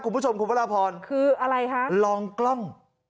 คุณผู้ชมคุณพระราพรคืออะไรคะลองกล้อง